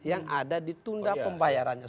yang ada ditunda pembayarannya